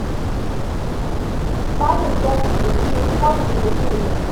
"Fighters Destiny" received positive reviews.